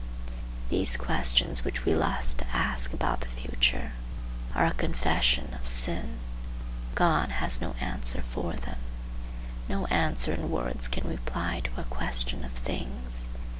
These questions which we lust to ask about the future are a confession of sin. God has no answer for them. No answer in words can reply to a question of things.